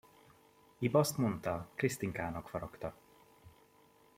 Ib azt mondta, Krisztinkának faragta.